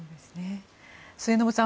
末延さん